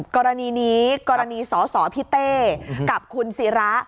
กรณีนี้กรณีสสพี่เต้กับคุณศิระ